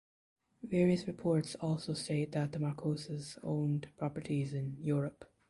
Various reports also state that the Marcoses owned properties in Europe.